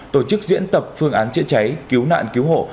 tổ chức diễn tập phương án chữa cháy cứu nạn cứu hộ